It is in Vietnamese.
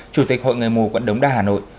chủ tịch hội người mù quận đống đa hà nội